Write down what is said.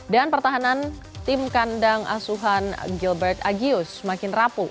dan pertahanan tim kandang asuhan gilbert agius semakin rapuh